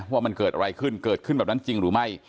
ว่ามันเกิดอะไรขึ้นเกิดขึ้นแบบนั้นจริงหรือไม่